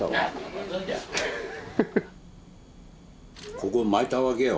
ここまいたわけよ。